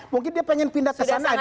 mungkin dia ingin pindah kesana aja